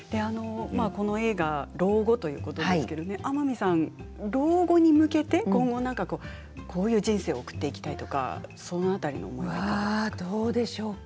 この映画は老後ということですが天海さんは老後に向けてこういう人生を送っていきたいとか、その辺りはどうですか？